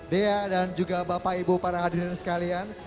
dea dan juga bapak ibu para hadirin sekalian